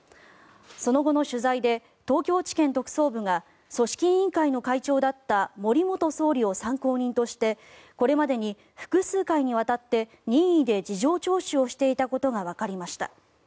その後の取材で東京地検特捜部が組織委員会の会長だった森元総理を参考人としてこれまでに複数回にわたって任意で事情聴取をしていたことがわかりました。